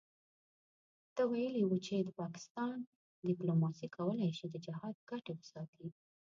ته ویلي وو چې د پاکستان دیپلوماسي کولای شي د جهاد ګټې وساتي.